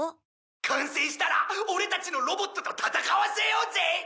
「完成したらオレたちのロボットと戦わせようぜ！」